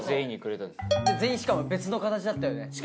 全員しかも別の形だったよね。